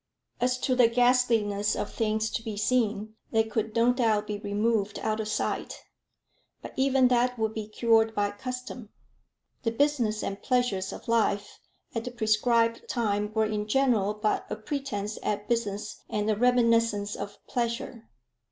As to the ghastliness of things to be seen, they could no doubt be removed out of sight; but even that would be cured by custom. The business and pleasures of life at the prescribed time were in general but a pretence at business and a reminiscence of pleasure.